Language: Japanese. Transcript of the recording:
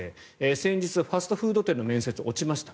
先日、ファストフード店の面接落ちました。